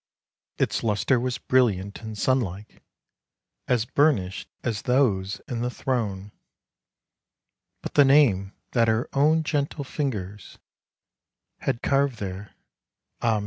Its luster was brilliant and sunlike, As burnished as those in the throne, But the name that her own gentle fingers Had carved there, ah!